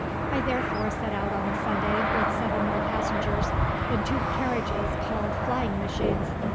I therefore set out on a Sunday with seven more passengers in two carriages called flying machines.